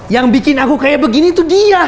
yang bikin aku kayak begini itu dia